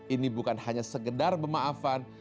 ini bukan hanya sekedar bermaafan